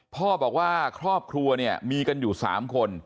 พ่อบอกว่าครอบครัวเนี่ยมีกันอยู่๓คน